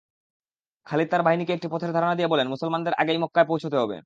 খালিদ তার বাহিনীকে একটি পথের ধারণা দিয়ে বলেন, মুসলমানদের আগেই মক্কায় পৌঁছতে হবে।